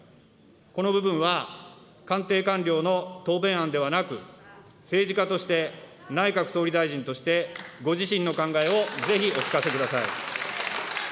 この部分は官邸官僚の答弁案ではなく、政治家として、内閣総理大臣として、ご自身の考えをぜひお聞かせください。